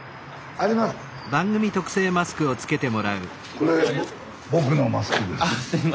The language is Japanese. これ僕のマスクです。